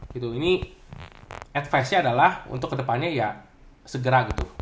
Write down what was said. ini advice nya adalah untuk kedepannya ya segera gitu